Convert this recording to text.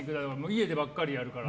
家でばっかりやるから。